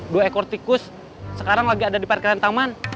dua ekor tikus sekarang lagi ada di parkiran taman